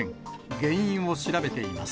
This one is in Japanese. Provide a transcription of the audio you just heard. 原因を調べています。